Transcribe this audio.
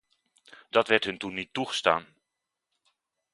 Dat werd hun toen niet toegestaan.